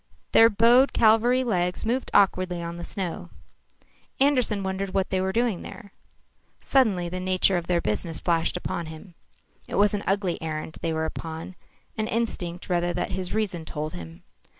Their bowed cavalry legs moved awkwardly on the snow. Andersen wondered what they were doing there. Suddenly the nature of their business flashed upon him. It was an ugly errand they were upon, an instinct rather that his reason told him.